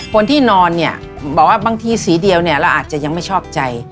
คนที่นอนบอกว่าบางทีสีเดียวเราอาจจะยังไม่ชอบใจ